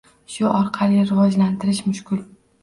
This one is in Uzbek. Shu orqali rivojlantirish mushkul.